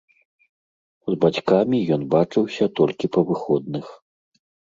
З бацькамі ён бачыўся толькі па выходных.